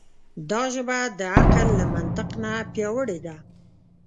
دا ژبه د عقل له منطق نه پیاوړې ده.